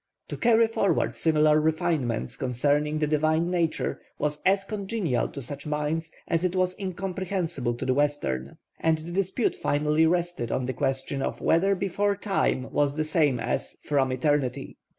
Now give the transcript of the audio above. To carry forward similar refinements concerning the Divine Nature was as congenial to such minds as it was incomprehensible to the Western. And the dispute finally rested on the question of whether 'before time' was the same as 'from eternity.'